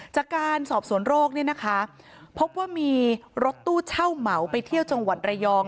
จากการสอบสวนโรคเนี่ยนะคะพบว่ามีรถตู้เช่าเหมาไปเที่ยวจังหวัดระยอง